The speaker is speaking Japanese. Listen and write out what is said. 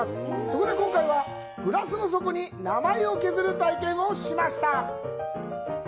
そこで今回は、グラスの底に名前を削る体験をします。